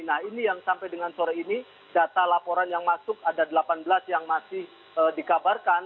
nah ini yang sampai dengan sore ini data laporan yang masuk ada delapan belas yang masih dikabarkan